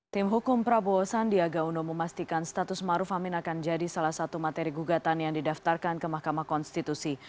tim hukum prabowo sandiaga uno memastikan status maruf amin akan jadi salah satu materi gugatan yang didaftarkan ke mahkamah konstitusi